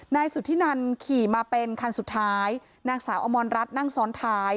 นายสุธินันขี่มาเป็นคันสุดท้ายนางสาวอมรรัฐนั่งซ้อนท้าย